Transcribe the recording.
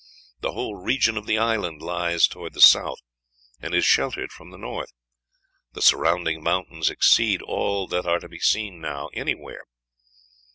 The whole region of the island lies toward the south, and is sheltered from the north.... The surrounding mountains exceeded all that are to be seen now anywhere."